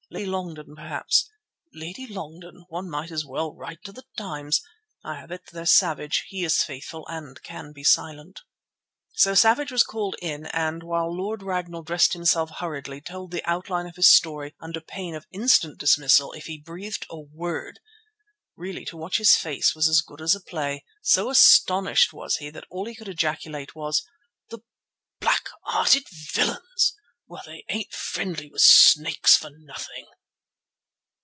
Lady Longden, perhaps." "Lady Longden! Why one might as well write to The Times. I have it! There's Savage. He is faithful and can be silent." So Savage was called in and, while Lord Ragnall dressed himself hurriedly, told the outline of his story under pain of instant dismissal if he breathed a word. Really to watch his face was as good as a play. So astonished was he that all he could ejaculate was— "The black hearted villains! Well, they ain't friendly with snakes for nothing."